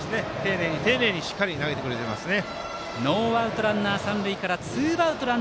丁寧にしっかり投げてくれてますね。